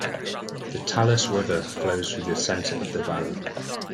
The Talas River flows through the center of the valley.